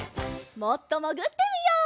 もっともぐってみよう。